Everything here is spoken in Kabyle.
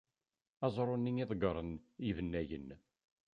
Aẓru-nni i ḍeggren yibennayen.